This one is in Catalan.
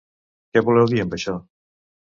Què voleu dir amb això?